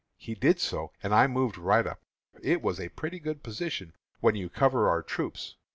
He did so, and I moved right up. It was a pretty good position when you cover your troops.